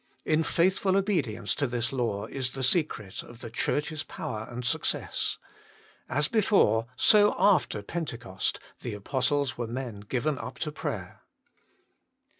In faithful obedience to this law is the secret of the Church s power and success. As before, so after Pentecost, the apostles were men given up to prayer.